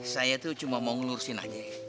saya tuh cuma mau ngurusin aja